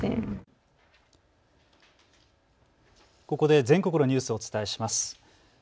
ここで全国のニュースをお伝えします。